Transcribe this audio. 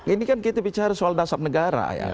ini kan kita bicara soal dasar negara ya